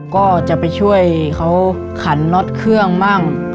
ก็จะไปช่วยเขาขันน็อตเครื่องบ้าง